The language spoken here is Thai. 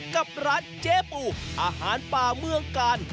กับร้านเจ๊ปูอาหารป่าเมืองกาล